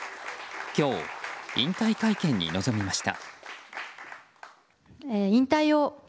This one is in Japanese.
今日、引退会見に臨みました。